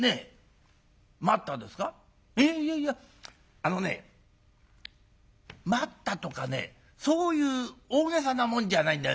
あのね『待った』とかねそういう大げさなもんじゃないんだよ。